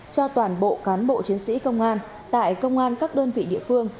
cho toàn bộ cán bộ chiến sĩ công an tại công an các đơn vị địa phương